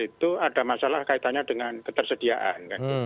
itu ada masalah kaitannya dengan ketersediaan